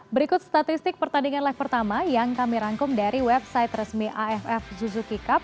berikut statistik pertandingan leg pertama yang kami rangkum dari website resmi aff suzuki cup